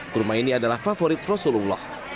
kurma ini adalah favorit rasulullah